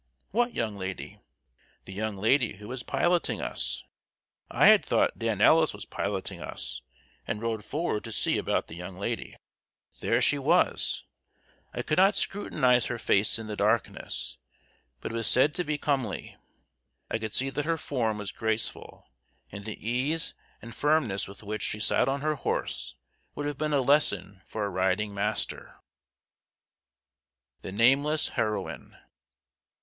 "What young lady?" "The young lady who is piloting us." I had thought Dan Ellis was piloting us, and rode forward to see about the young lady. There she was! I could not scrutinize her face in the darkness, but it was said to be comely. I could see that her form was graceful, and the ease and firmness with which she sat on her horse would have been a lesson for a riding master. [Sidenote: THE NAMELESS HEROINE.